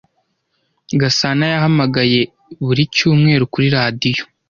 gasana yahamagaye buri cyumweru kuri radiyo